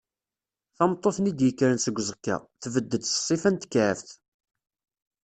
Tameṭṭut-nni i d-yekkren seg uẓekka, tbedd-d s ṣṣifa n tekɛebt.